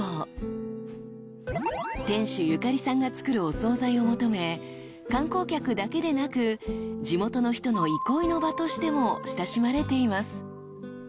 ［店主優香里さんが作るお総菜を求め観光客だけでなく地元の人の憩いの場としても親しまれています］